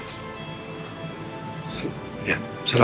aku mau berubah